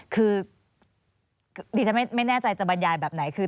คือดิฉันไม่แน่ใจจะบรรยายแบบไหนคือ